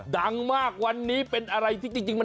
ดังมากวันนี้เป็นอะไรที่จริง